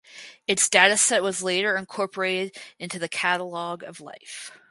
Its dataset was later incorporated in the Catalogue of Life.